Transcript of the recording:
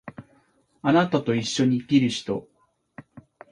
貴方と一緒に生きる人